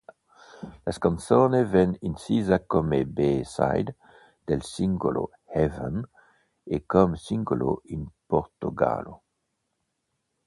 La canzone venne incisa come B-side del singolo "Heaven" e come singolo in Portogallo.